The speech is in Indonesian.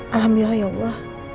alhamdulillah ya allah